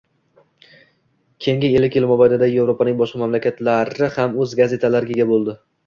Keyingi ellik yil mobaynida Yevropaning boshqa mamlakatlari ham o‘z gazetalariga ega bo‘ldi.